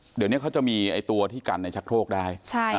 ป้าอันนาบอกว่าตอนนี้ยังขวัญเสียค่ะไม่พร้อมจะให้ข้อมูลอะไรกับนักข่าวนะคะ